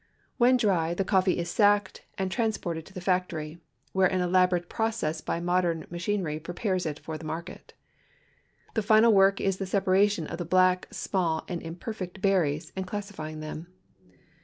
When dr}^ the coffee is sacked and transported to the factor}^, where an elaborate process by modern machinery prepares it for the market. The final work is the separation of the black, small, and imper fect berries and classifying them.